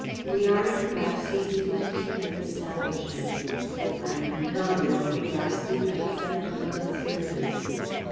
We are, in fact, ceasing to keep an establishment. I am compelled, therefore, to ask you to accept a month's notice.'